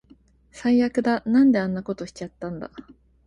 最悪だ。なんであんなことしちゃったんだ